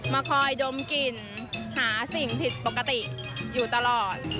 มาคอยดมกลิ่นหาสิ่งผิดปกติอยู่ตลอด